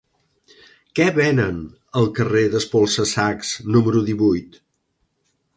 Què venen al carrer d'Espolsa-sacs número divuit?